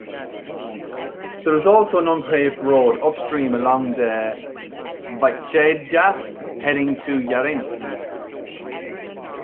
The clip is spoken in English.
There is also an unpaved road upstream along the Vychegda, heading to Yarensk.